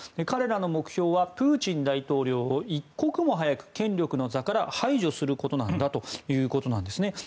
彼らの目標はプーチン大統領を一刻も早く権力の座から排除することなんだということなんですね。